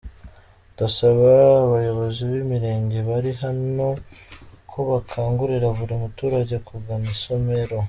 Ndasaba abayobozi b’Imirenge bari hano ko bakangurira buri muturage kugana isomero”.